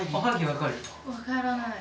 分からない。